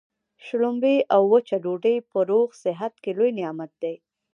شلومبې او وچه ډوډۍ په روغ صحت کي لوی نعمت دی.